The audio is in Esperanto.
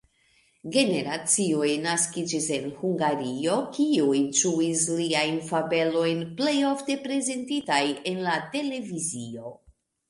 Generacioj naskiĝis en Hungario, kiuj ĝuis liajn fabelojn, plej ofte prezentitaj en la televizio.